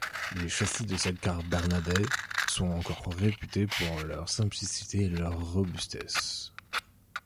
Les châssis de side-cars Bernardet sont encore réputés pour leur simplicité et leur robustesse.